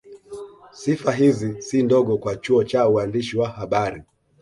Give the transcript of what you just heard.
Sifa hizi si ndogo kwa chuo cha uandishi wa habari